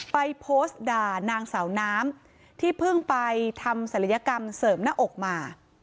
ไปโพสต์ด่านางสาวน้ำที่เพิ่งไปทำศัลยกรรมเสริมหน้าอกมา